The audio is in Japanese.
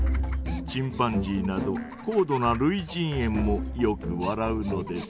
チンパンジーなど高度なるいじんえんもよく笑うのです。